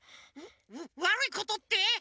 わるいことって？